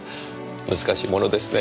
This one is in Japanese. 難しいものですね。